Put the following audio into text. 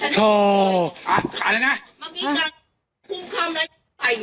ก็มือไง